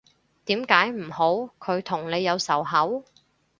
點解唔好，佢同你有仇口？